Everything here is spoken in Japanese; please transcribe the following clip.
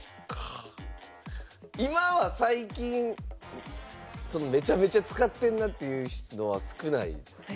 今は最近めちゃめちゃ使ってるなっていう人は少ないですけど。